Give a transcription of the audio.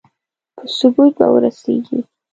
په ثبوت به ورسېږي.